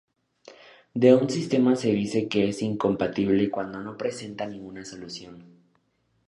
De un sistema se dice que es incompatible cuando no presenta ninguna solución.